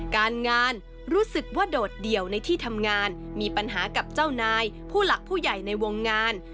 การงานรู้สึกว่าโดดเดี่ยวในที่ทำงานมีปัญหากับเจ้านายผู้หลักผู้ใหญ่ในวงงาน